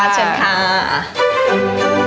เชิญค่ะ